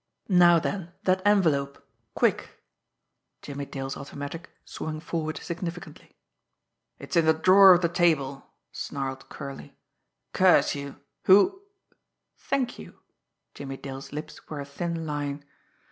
Now then, that envelope quick!" Jimmie Dale's automatic swung forward significantly. "It's in the drawer of the table," snarled Curley. "Curse you, who " "Thank you!" Jimmie Dale's lips were a thin line.